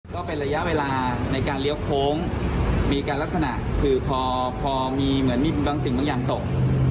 ก็เป็นระยะเวลาในการเลี้ยวโค้งมีการลักษณะคือพอมีเหมือนมีบางสิ่งบางอย่างตก